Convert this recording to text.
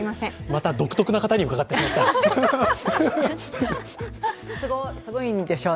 また独特な方に伺ってしまいました。